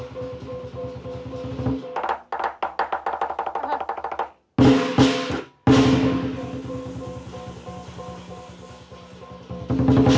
ดีกว่า